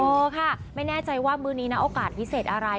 เออค่ะไม่แน่ใจว่ามื้อนี้นะโอกาสพิเศษอะไร